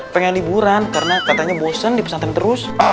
pengen liburan karena katanya bosen dipesantren terus